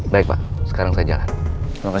baik pak sekarang saya jalan ke bogor pak